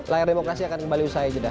layar demokrasi akan kembali usai aja dah